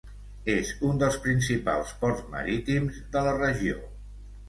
És un dels principals ports marítims de la regió.